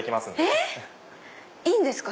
えっ⁉いいんですか？